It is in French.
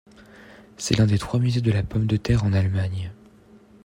C'est l'un des trois musées de la Pomme de terre d'Allemagne.